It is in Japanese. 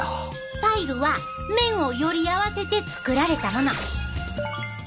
パイルは綿をより合わせて作られたもの。